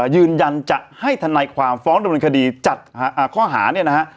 ยืนยันจะให้ทนายความฟ้องดำเนินคดีจัดข้อหาเนี่ยนะฮะ